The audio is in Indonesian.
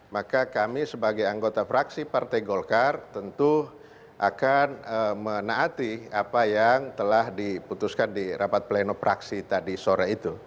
maka kami sebagai anggota fraksi partai golkar tentu akan menaati apa yang telah diputuskan di rapat pleno praksi tadi sore itu